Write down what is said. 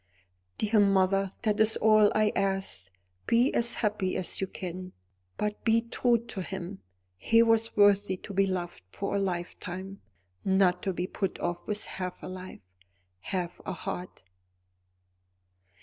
"Dear mother, that is all I ask. Be as happy as you can; but be true to him. He was worthy to be loved for a lifetime; not to be put off with half a life, half a heart."